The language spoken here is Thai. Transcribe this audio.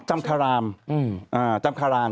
จำคาราม